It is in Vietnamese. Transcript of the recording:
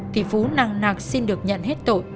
thì phú nặng nạc xin được nhận hết tội